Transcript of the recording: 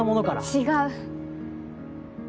違う。